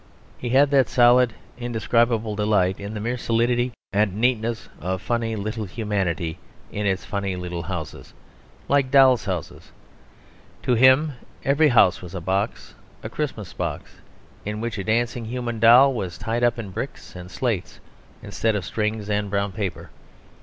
He had that solid, indescribable delight in the mere solidity and neatness of funny little humanity in its funny little houses, like doll's houses. To him every house was a box, a Christmas box, in which a dancing human doll was tied up in bricks and slates instead of string and brown paper.